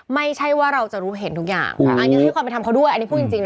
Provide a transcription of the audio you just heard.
ไม่ใช่ว่าเราจะรู้เห็นทุกอย่าง